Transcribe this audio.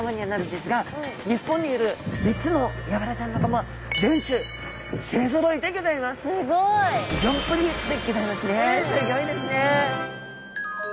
すギョいですね。